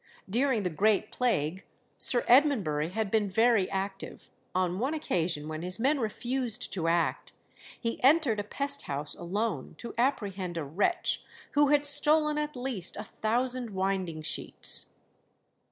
During the Great Plague Sir Edmondbury had been very active; on one occasion, when his men refused to act, he entered a pest house alone to apprehend a wretch who had stolen at least a thousand winding sheets.